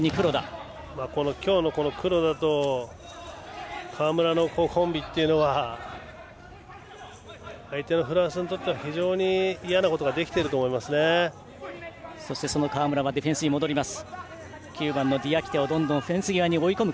今日の黒田と川村のコンビは相手のフランスにとっては非常に嫌なことができていると思います。